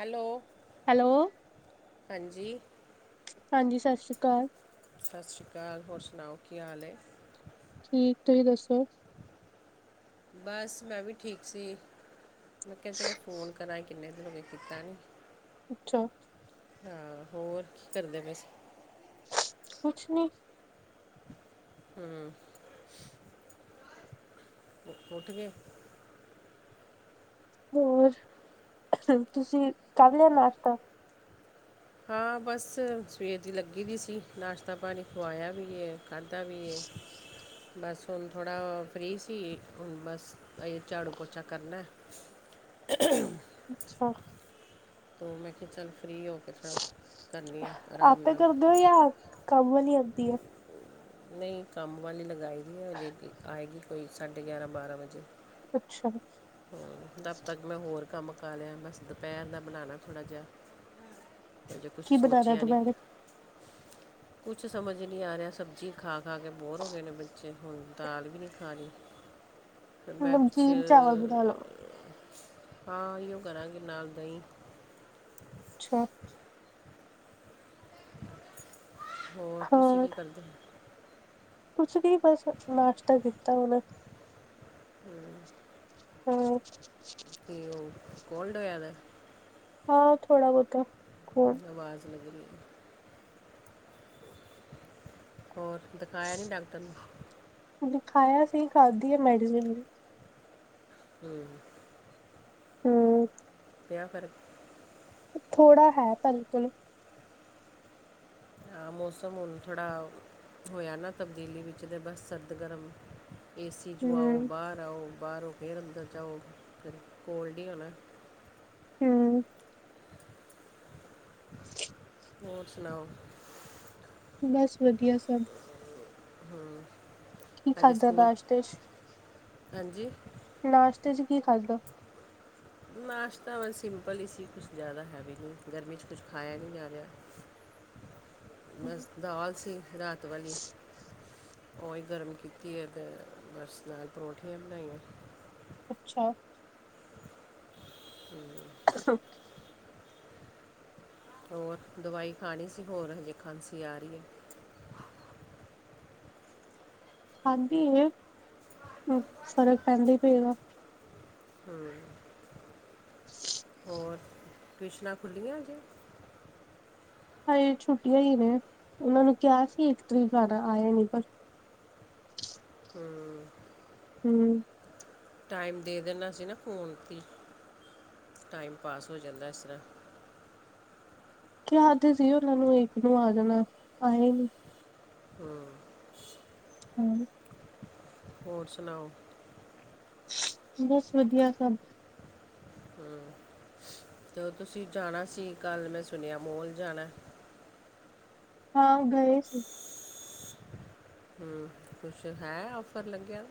Hello. Hello. ਹਾਂਜੀ। ਹਾਂਜੀ ਸਾਸ ਸ਼੍ਰੀ ਕਾਲ। ਸਸ ਸ਼੍ਰੀ ਕਾਲ ਹੋਰ ਸੁਣਾਓ ਕੀ ਹਾਲ ਐ? ਠੀਕ ਤੁਸੀਂ ਦੱਸੋ? ਬਸ ਮੈਂ ਵੀ ਠੀਕ ਸੀ, ਮੈਂ ਕਿਆ ਚਲੋ ਫੋਨ ਕਰਾਂ, ਕਿੰਨੇ ਦਿਨ ਹੋਗੇ ਕੀਤਾ ਨੀ। ਅੱਛਾ। ਹਾਂ, ਹੋਰ ਕੀ ਕਰਦੇ ਪਏ ਸੀ? ਕੁੱਛ ਨੀ। ਹੂੰ। ਉੱਠ ਗੇ? ਹੋਰ, ਤੁਸੀਂ ਕਰ ਲਿਆ ਨਾਸ਼ਤਾ? ਹਾਂ ਬਸ ਸਵੇਰ ਦੀ ਲੱਗੀ ਵੀ ਸੀ, ਨਾਸ਼ਤਾ ਪਾਣੀ ਖਵਾਇਆ ਵੀ ਏ। ਖਾਦਾ ਵੀ ਏ। ਬਸ ਹੁਣ ਥੋੜ੍ਹਾ ਫਰੀ ਸੀ, ਹੁਣ ਬਸ ਐਈ ਝਾੜੂ ਪੋਚਾ ਕਰਨੈ। ਖ ਖ ਅੱਛਾ। ਹੁਣ ਮੈਂ ਕਿਹਾ ਚੱਲ ਫ੍ਰਰੀ ਹੋ ਕੇ ਥੋੜ੍ਹਾ ਕਰਨੀ ਆ ਆਰਾਮ ਆਪੇ ਨਾਲ। ਕਰਦੇ ਹੋ ਜਾਂ ਕੰਮ ਵਾਲੀ ਆਦੀ ਆ। ਨਹੀਂ ਕੰਮ ਵਾਲੀ ਲਗਾਈ ਦੀ ਆ, ਅਜੇ ਆਏਗੀ ਕੋਈ ਸਾਢੇ ਗਿਆਰਾਂ ਬਾਰਾਂ ਵਜੇ। ਅੱਛਾ। ਹੂ, ਤਬ ਤੱਕ ਮੈਂ ਹੋਰ ਕੰਮ ਮੁਕਾ ਲਿਆ, ਬਸ ਦੁਪਹਿਰ ਦਾ ਖਾਣਾ ਬਣਾਣਾ ਥੋੜ੍ਹਾ ਜਿਹਾ। ਅਜੇ ਕੁਛ ਕੀ ਬਣਾਣਾ ਸੋਚਿਆ ਨੀ। ਦੁਪਹਿਰੇ ਕੁਛ ਸਮਝ ਨਹੀਂ ਆ ਰਿਹਾ ਸਬਜ਼ੀ ਖਾ ਖਾ ਕੇ ਬੋਰ ਹੋ ਗਏ ਨੇ ਬੱਚੇ, ਹੁਣ ਦਾਲ ਵੀ ਨਹੀਂ ਖਾਣੀ। ਮੈਂ ਕੁਛ ਨਮਕੀਨ ਚਾਵਲ ਬਣਾ ਲਓ ਹਾਂ, ਓਹੀ ਕਰਾਂਗੇ ਨਾਲ ਦਹੀਂ। ਅੱਛਾ। ਹੋਰ, ਤੁਸੀਂ ਹਾਂ ਕੀ ਕਰਦੇ? ਕੁਛ ਨਹੀਂ, ਬਸ ਨਾਸ਼ਤਾ ਕੀਤਾ ਹੁਣ। ਹੂ। ਹੋਰ ਏ ਓ ਕੋਲਡ ਹੋਇਆ ਦਾ। ਹਾਂ, ਥੋੜਾ ਬਹੁਤਾ ਕੋ ਆਵਾਜ਼ ਲਗ ਰਹੀ ਏ। ਹੋਰ ਦਿਖਾਇਆ ਨਹੀਂ ਡਾਕਟਰ ਨੂੰ? ਦਿਖਾਇਆ ਸੀ, ਖਾਂਦੀ ਏ ਮੈਡੀਸਨ। ਹੂ। ਹੂ। ਪਿਆ ਫ਼ਰਕ? ਥੋੜਾ ਹੈ ਫ਼ਰਕ ਹਾਂ, ਮੌਸਮ ਹੁਣ ਥੋੜ੍ਹਾ ਹੋਇਆ ਨਾ ਤਬਦੀਲੀ ਵਿੱਚ ਤੇ ਬਸ ਸਰਦ ਗਰਮ ਏ ਸੀ ਚੋ ਆਓ, ਹਮ ਬਾਹਰ ਆਓ, ਬਾਹਰੋਂ ਫਿਰ ਅੰਦਰ ਜਾਓ, ਫਿਰ ਕੋਲਡ ਹੀ ਹੋਣਾ। ਹੂ। ਹੋਰ ਸੁਣਾਓ ਬਸ ਵਧੀਆ ਸਭ। ਹਂ ਕੀ ਹਜੇ ਖਾਧਾ ਸਕੂਲ, ਨਾਸ਼ਤੇ ਚ ਹਾਂਜੀ। ਨਾਸ਼ਤੇ 'ਚ ਕੀ ਖਾਧਾ? ਨਾਸ਼ਤਾ ਵ ਸਿੰਪਲ ਈ ਸੀ ਕੁਛ ਜ਼ਆਦਾ ਹੈਵੀ ਨੀ, ਗਰਮੀ 'ਚ ਕੁਛ ਖਾਇਆ ਨੀ ਜਾ ਰਿਹਾ। ਬਸ ਦਾਲ ਸੀ ਰਾਤ ਵਾਲੀ। ਓਹੀ ਗਰਮ ਕੀਤੀ ਏ, ਤੇ ਬਸ ਨਾਲ ਪਰੋਂਂਠੀਆਂ ਬਣਾਈਆਂ। ਅੱਛਾ। ਅ ਹੁ ਹੋਰ, ਦਵਾਈ ਖਾਣੀ ਸੀ ਹੋਰ, ਹਜੇ ਖਾਂਸੀ ਆ ਰਹੀ ਏ। ਖਾਂਦੀ ਸੀ, ਫ਼ਰਕ ਪੈਂਦੈ ਪਏ ਗਾ। ਹੂ। ਹੋਰ ਟਿਊਸ਼ਨਾਂ ਖੁੱਲ੍ਹੀਆਂ ਅਜੇ? ਹਜੇ ਛੁੱਟੀਆਂ ਹੀ ਨੇ ਉਹਨਾਂ ਨੂੰ ਕਿਹਾ ਸੀ ਇੱਕ ਤਰੀਕ ਆਣਾ, ਆਏ ਨੀ ਪਰ। ਹੂ ਹੂ। ਟਾਈਮ ਦੇ ਦੇਣਾ ਸੀ ਨਾ ਫੋਨ ਤੇ, ਟਾਈਮ ਪਾਸ ਹੋ ਜਾਂਦਾ ਇਸ ਤਰ੍ਹਾਂ ਕਿਹਾ ਤੇ ਸੀ ਓਹਨਾਂ ਨੂੰ ਇੱਕ ਨੂੰ ਆ ਜਾਣਾ, ਆਏ ਨਈ। ਹਂ। ਹਂ। ਹੋਰ ਸੁਣਾਓ ਬਸ ਵਧੀਆ ਸਭ। ਹਾਂ ਤੇ ਓ ਤੁਸੀ ਜਾਣਾ ਸੀ ਕੱਲ੍ਹ ਮੈਂ ਸੁਣਿਆ ਮੋਲ ਜਾਣਾ ਐ। ਹਾਂ ਓ ਗਏ ਸੀ। ਹੂੰ ਕੁਛ ਹੈ ਔਫਰ ਲੱਗਿਆ।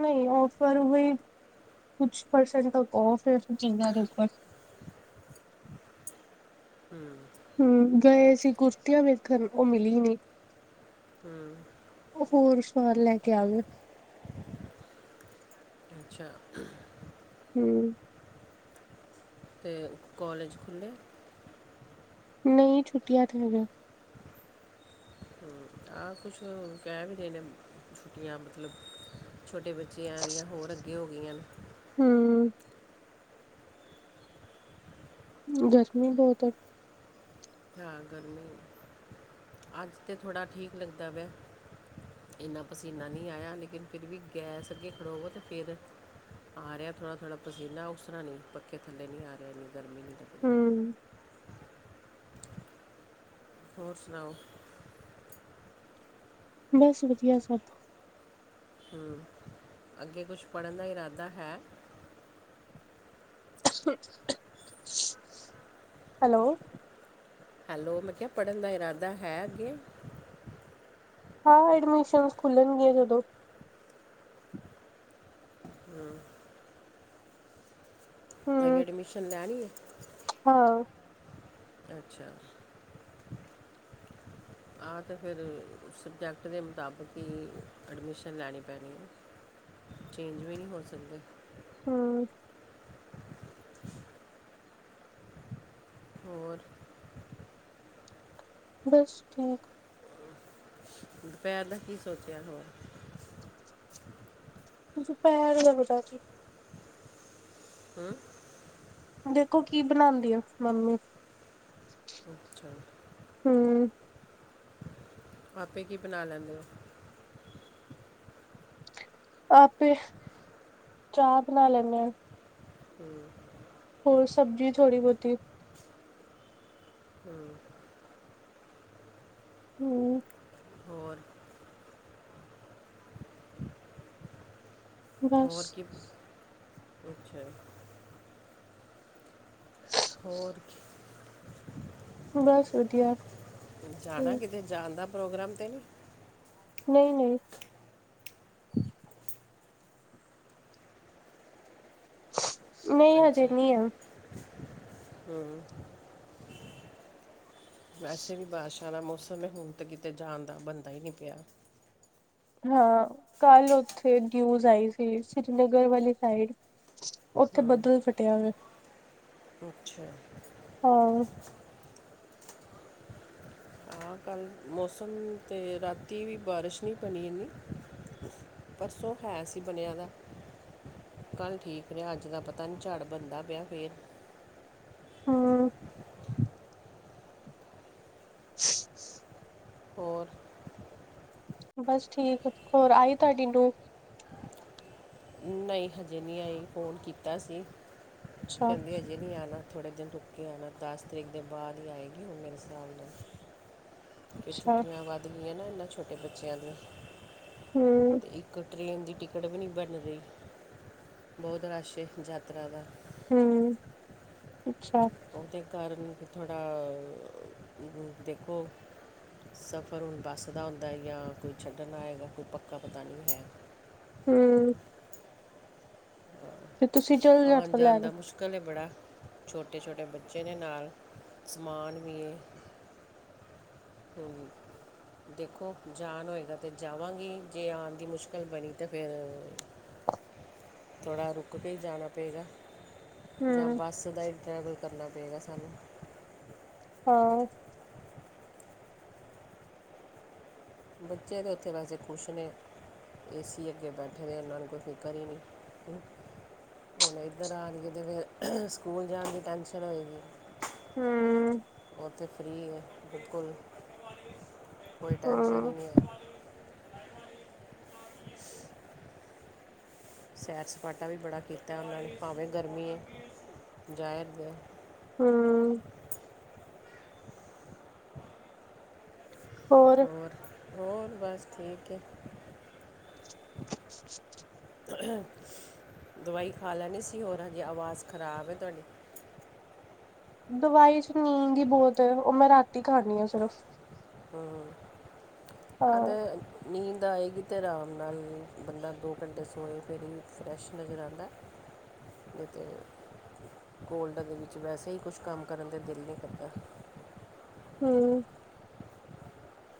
ਨਈ ਔਫਰ ਓਈ ਕੁਛ ਪਰਸੈਂਟ ਤੱਕ ਔਫ ਐ ਕੁਛ ਚੀਜ਼ਾਂ ਦੇ ਉਪਰ। ਹੂੰ। ਹੂੰ ਗਏ ਸੀ ਕੁਰਤੀਆਂ ਵੇਖਣ ਓ ਮਿਲੀ ਨੀ। ਹੂੰ ਓ ਹੋਰ ਈ ਸਮਾਨ ਲੈ ਕੇ ਆਗੇ। ਅੱਛਾ। ਹੂੰ। ਤੇ ਕੋਲੇਜ ਖੁੱਲ੍ਹੇ? ਨਈ ਛੁੱਟੀਆਂ ਥੇ ਹੈਗਾ। ਆ ਕੁਛ ਕੈ ਵੀ ਰੇਣੇ ਛੁੱਟੀਆਂ ਮਤਲਬ। ਛੋਟੇ ਬੱਚੇਆਂ ਦੀਆਂ ਹੋਰ ਅੱਗੇ ਹੋ ਗਈਆਂ ਨੇ। ਹੂੰ। ਗਰਮੀ ਬੋਤ ਆ। ਹਾਂ ਗਰਮੀ ਐ। ਅੱਜ ਤੇ ਥੋੜ੍ਹਾ ਠੀਕ ਲੱਗਦਾ ਪਿਆ ਐ। ਏਨਾ ਪਸੀਨਾ ਨੀ ਆਇਆ ਲੇਕਿਨ ਫਿਰ ਵੀ ਗੈਸ ਅੱਗੇ ਖੜੋਵੋ ਤੇ ਫੇਰ ਆ ਰਿਹਾ ਥੋੜ੍ਹਾ ਥੋੜ੍ਹਾ ਪਸੀਨਾ ਓਸਤਰਾ ਨੀ। ਪੱਖੇ ਥੱਲੇ ਨ੍ਹੀਂ ਆ ਰਿਹਾ। ਇੰਨੀ ਗਰਮੀ ਨੀ ਲ ਹੂੰ। ਹੋਰ ਸੁਣਾਓ। ਬਸ ਵਧੀਆ ਸਭ। ਹੂੰ। ਅੱਗੇ ਕੁਛ ਪੜ੍ਹਨ ਦਾ ਇਰਾਦਾ ਹੈ? ਹੈਲੋ। ਹੈਲੋ ਮੈਂ ਕਿਆ ਪੜ੍ਹਨ ਦਾ ਇਰਾਦਾ ਹੈ ਅੱਗੇ? ਹਾਂ ਐਡਮਿਸ਼ਨ ਖੁੱਲਣਗੇ ਜਦੋਂ। ਹੂੰ ਅਗੇ ਹੂੰ ਅਡਮਿਸ਼ਨ ਲੈਣੀ ਐ ਹਾਂ ਅੱਛਾ ਆ ਤੇ ਫਿਰ ਸਬਜੈਕਟ ਦੇ ਮੁਤਾਬਕ ਈ ਅਡਮਿਸ਼ਨ ਲੈਣੀ ਪੈਣੀ ਐ ਚੇਂਜ ਵੀ ਨੀ ਹੋ ਸਕਦੇ ਹੂੰ ਹੋਰ ਬਸ ਠੀਕ। ਦੁਪੈਰ ਦਾ ਕੀ ਸੋਚਿਆ ਹੋਰ? ਦੁਪੈਰ ਦਾ ਪਤਾ ਕਿ। ਹਂ। ਦੇਖੋ ਕੀ ਬਣਾਦੀ ਆ ਮੰਮੀ। ਅੱਛਾ ਹੂੰ ਆਪੇ ਕੀ ਬਣਾ ਲੈਂਦੇ ਓ? ਆਪੇ, ਚਾਹ ਬਣਾ ਲੈਂਨੇ ਆਂ। ਹੂੰ ਹੋਰ ਸਬਜ਼ੀ ਥੋੜ੍ਹੀ ਬੋਤੀ। ਹੂੰ। ਹੂੰ ਹੋਰ। ਬਸ ਹੋਰ ਕਿਪਸ ਕੁਛ। ਹੋਰ ਬਸ ਵਧੀਆ ਜਾਣਾ ਹੂੰ ਕਿਤੇ, ਜਾਣ ਦਾ ਪ੍ਰੋਗਰਾਮ ਤੇ ਨਈ ਨਈ ਨਈ ਨਈ, ਹਜੇ ਨਈ ਹੈ ਹੂ ਵੈਸੇ ਵੀ ਬਾਰਿਸ਼ਾਂ ਦਾ ਮੌਸਮ ਹੈ, ਹੁਣ ਤਾਂ ਕਿਤੇ ਜਾਣ ਦਾ ਬਣਦਾ ਹੀ ਨਈ ਪਯਾ ਹਾਂ ਕੱਲ ਓਥੇ ਨੀਊਜ਼ ਆਈ ਸੀ, ਸ੍ਰੀਨਗਰ ਵਾਲੀ ਸਾਈਡ ਓਥੇ ਬੱਦਲ ਫਟਿਆ ਵੇ ਅੱਛਾ ਹਾਂ ਹਾਂ ਕਲ ਮੌਸਮ ਤੇ ਰਾਤੀ ਵੀ ਬਾਰਿਸ਼ ਨਈ ਬਣੀ ਏਨੀ ਪਰਸੋਂ ਹੈ ਸੀ ਬਣਿਆ ਦਾ ਕੱਲ ਠੀਕ ਰਿਹਾ, ਅੱਜ ਦਾ ਪਤਾ ਨਹੀਂ, ਝੜ ਬਣਦਾ ਪਿਆ ਫੇਰ ਹੂ [unintelligible] ਹੋਰ ਬਸ ਠੀਕ ਏ, ਹੋਰ ਆਈ ਤੁਹਾਡੀੇ ਨੂੰ ਨਈ ਹਜੇ ਨਈ ਆਈ, ਫੋਨ ਕੀਤਾ ਸੀ, ਅੱਛਾ ਕਹਿੰਦੇ ਹਜੇ ਹਜੇ ਨਈ ਆਣਾ, ਥੋੜੇ ਦਿਨ ਰੁੱਕ ਕੇ ਆਣਾ, ਦਸ ਤਰੀਕ ਦੇ ਬਾਅਦ ਹੀ ਆਏਗੀ ਉਹ ਮੇਰੇ ਹਿਸਾਬ ਨਾਲ ਅੱਛਾ ਛੁੱਟੀਆਂ ਵੱਧ ਗਈਆਂ ਨਾ, ਇਹਨਾਂ ਛੋਟੇ ਬੱਚਿਆਂ ਦਿਆਂ, ਹੂੰ ਤੇ ਇੱਕ ਟ੍ਰੇਨ ਦੀ ਟਿਕਟ ਵੀ ਨਈ ਬਣ ਰਹੀ ਬਹੁਤ ਰਸ਼ ਏ, ਯਾਤਰਾ ਦਾ ਹੂ ਅੱਛਾ ਉਹਦੇ ਕਾਰਨ ਵੀ ਥੋੜਾ ਦੇਖੋ ਸਫ਼ਰ ਹੁਣ ਬੱਸ ਦਾ ਹੁੰਦਾ, ਯਾਂ ਕੋਈ ਛੱਡਣ ਆਏਗਾ, ਕੋਈ ਪੱਕਾ ਪਤਾ ਨਹੀਂ ਹੈ। ਹੂ ਤੁਸੀਂ ਚਲ ਆਉਣ ਜਾਤਾ ਜਾਣ ਲੈਣ ਦਾ ਮੁਸ਼ਕਿਲ ਕਲ ਐ ਬੜਾ, ਛੋਟੇ ਛੋਟੇ ਬੱਚੇ ਦੇ ਨਾਲ, ਸਮਾਨ ਵੀ ਇਹ ਹੂ ਦੇਖੋ ਜਾਣ ਹੋਏਗਾ ਤਾਂ ਜਾਵਾਂਗੀ, ਜੇ ਆਉਣ ਦੀ ਮੁਸ਼ਕਿਲ ਬਣੀ, ਤਾਂ ਫਿਰ ਥੋੜਾ ਰੁਕ ਕੇ ਜਾਣਾ ਪਏਗਾ ਜਾਂ ਹੂੰ ਬੱਸ ਦਾ ਹੀ ਟਰੈਵਲ ਕਰਨਾ ਪਵੇਗਾ ਸਾਨੂੰ ਹਾਂ ਬੱਚੇ ਤੇ ਉੱਥੇ ਵੈਸੇ ਖੁਸ਼ ਨੇ ਵੇਸਲੇ ਹੋਕੇ ਬੈਠੇ ਦੇ, ਐਨਾ ਨੂੰ ਕੋਈ ਫ਼ਿਕਰ ਹੀ ਨਈ ਹੁਣ ਇੱਧਰ ਆਣਗੇ, ਤੇ ਫਿਰ ਸਕੂਲ ਜਾਣ ਦੀ ਟੈਂਸ਼ਨ ਹੋਏਗੀ ਹੂ ਉਥੇ ਫ੍ਰੀ ਹੈ ਬਿਲਕੁਲ, ਕੋਈ ਟੈਂਸ਼ਨ ਹਾਂ ਹੀ ਨਈ ਹੈ ਸੈਰ ਸਪਾਟਾ ਵੀ ਬੜਾ ਕੀਤਾ ਉਹਨਾਂ ਨੇ, ਭਾਵੇਂ ਗਰਮੀ ਹੈ ਜ਼ਾਹਿਰ ਹੂ ਹੋਰ, ਹੋਰ ਬਸ ਠੀਕ ਹੈ। [unintelligible] ਦਵਾਈ ਖਾ ਲੈਣੀ ਸੀ ਹੋਰ, ਹਜੇ ਆਵਾਜ਼ ਖ਼ਰਾਬ ਹੈ ਤੁਹਾਡੀ ਦਵਾਈ ਚ ਨੀਂਦ ਹੀ ਬਹੁਤ ਏ, ਉਹ ਮੈਂ ਰਾਤੀ ਖਾਣੀ ਆ ਸਿਰਫ ਹਾਂ ਹਾਂ ਅਗਰ ਨੀਂਦ ਆਏਗੀ ਤੇ ਆਰਾਮ ਨਾਲ ਬੰਦਾ ਦੋ ਘੰਟੇ ਸੋਏ, ਫਿਰ ਹੀ ਫਰੈਸ਼ ਨਜ਼ਰ ਆਉਂਦਾ [unintelligible] ਏ ਤੇ ਹੈ, ਕੋਲਡ ਦੇ ਵਿੱਚ ਵੈਸੇ ਹੀ ਕੁਛ ਕੰਮ ਕਰਨ ਦੇ ਦਿਲ ਨਈ ਕਰਦਾ ਹੂ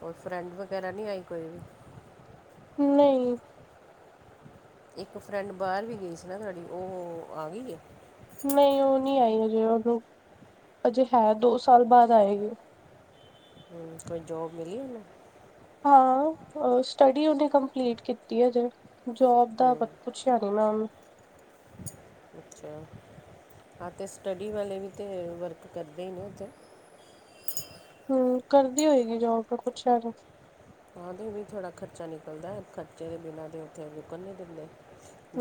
ਹੋਰ ਫਰੈਂਡ ਵਗੈਰਾ ਨਹੀਂ ਆਈ ਕੋਈ ਵੀ ਨਹੀਂ ਇੱਕ ਫਰੈਂਡ ਬਾਹਰ ਵੀ ਗਈ ਸੀ ਨਾ ਤੁਹਾਡੀ ਉਹ ਆ ਗਈ ਏ ਨਹੀਂ ਉਹ ਨਹੀਂ ਆਈ ਅਜੇ ਉਹਨੂੰ ਅਜੇ ਹੈ ਦੋ ਸਾਲ ਬਾਅਦ ਆਏਗੀ ਉਹ ਹੂੰ ਕੋਈ ਜੋਬ ਮਿਲੀ ਨਾ ਹਾਂ ਸਟੱਡੀ ਉਹਨੇ ਕੰਪਲੀਟ ਕੀਤੀ ਹੈ ਜੇ ਜੋਬ ਦਾ ਹਮ, ਪੁੱਛਿਆ ਨੀ ਮੈਮ ਅੱਛਾ ਹਾਂ ਅਤੇ ਸਟੱਡੀ ਵਾਲੇ ਵੀ ਤਾਂ ਵਰਕ ਕਰਦੇ ਹੀ ਨੇ ਉੱਥੇ ਹਮ ਕਰਦੀ ਹੋਏਗੀ ਜੋਬ ਕੁੱਛ ਸ ਉਹਾਂਦੇ ਵੀ ਥੋੜ੍ਹਾ ਖਰਚਾ ਨਿਕਲਦਾ ਖਰਚੇ ਦੇ ਬਿਨਾਂ ਤਾਂ ਉੱਥੇ ਰੁਕਣ ਨਹੀਂ ਦਿੰਦੇ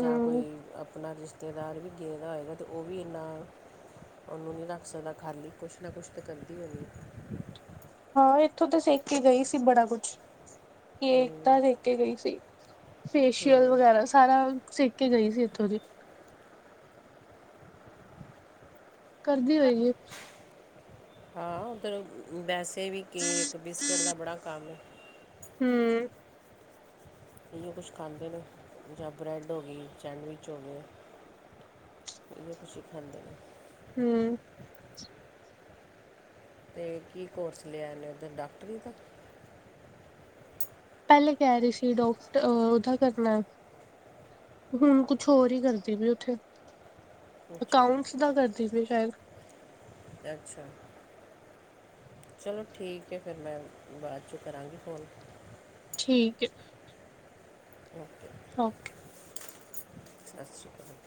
ਜਾਂ ਕੋਈ ਆਪਣਾ ਰਿਸ਼ਤੇਦਾਰ ਵੀ ਗੇ ਦਾ ਹੋਏਗਾ ਤਾਂ ਉਹ ਵੀ ਇੰਨਾ ਉਹਨੂੰ ਨਹੀਂ ਰੱਖ ਸਕਦਾ ਖਾਲੀ ਕੁਛ ਨਾ ਕੁਛ ਤਾਂ ਕਰਦੀ ਹੋਨੀ ਐ ਹਾਂ ਇੱਥੋਂ ਤਾਂ ਸਿੱਖ ਕੇ ਗਈ ਸੀ ਬੜਾ ਕੁਛ ਕੇਕ ਹੂੰ ਤਾਂ ਸਿੱਖ ਕੇ ਗਈ ਸੀ ਫੇਸ਼ੀਅਲ ਹੂੰ ਵਗੈਰਾ ਸਾਰਾ ਸਿੱਖ ਗਈ ਸੀ ਇੱਥੋਂ ਦੀ ਕਰਦੀ ਹੋਈ ਏ ਹਾਂ ਉੱਧਰ ਵੈਸੇ ਵੀ ਕੇਕ ਬਿਸਕਿਟ ਦਾ ਬੜਾ ਕੰਮ ਏ ਹੂੰ ਇਹੋ ਕੁਛ ਖਾਂਦੇ ਨੇ ਜਾਂ ਬਰੈੱਡ ਹੋ ਗਈ ਸੈਂਡਵਿਚ ਹੋ ਗਏ ਕੁਛ ਖਾਂਦੇ ਨੇ ਹੂੰ ਅਤੇ ਕੀ ਕੋਰਸ ਲਿਆ ਨੇ ਉੱਧਰ ਡਾਕਟਰੀ ਦਾ ਪਹਿਲੇ ਕਹਿ ਰਹੀ ਸੀ ਡਾਕਟਰ ਅ ਉਹਦਾ ਕਰਨਾ ਹੁਣ ਕੁਛ ਹੋਰ ਹੀ ਕਰਦੀ ਪਈ ਉੱਥੇ ਅੱਛਾ ਅਕਾਊਂਟਸ ਦਾ ਕਰਦੀ ਪਈ ਸ਼ਾਇਦ ਅੱਛਾ ਚਲੋ ਠੀਕ ਹੈ ਫਿਰ ਮੈਂ ਬਾਅਦ ਚੋਂ ਕਰਾਂਗੀ ਫੋਨ ਠੀਕ ਏ ਓਕੇ [unintelligible] ਓਕੇ ਸਤਿ ਸ਼੍ਰੀ ਅਕਾਲ।